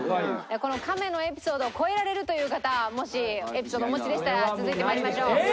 この亀のエピソードを超えられるという方もしエピソードをお持ちでしたら続いてまいりましょう。